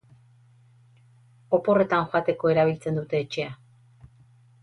Oporretan joateko erabiltzen dute etxea.